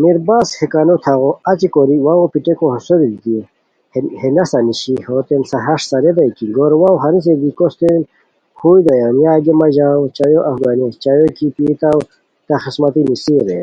میرباز ہے کانو تھاغو اچی کوری واؤ پیٹیکو ہوسوری دیتی ہے نسہ نیشی ہوتین ہݰ سارئیتائے کی گورواؤ ہنیسے دی کوستے ہُوئیی دویان "یاگئے مہ ژاؤ چایو اف گانے چایو کی پیتاؤ تہ خسمتی نیسر رے